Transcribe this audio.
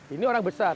ini orang besar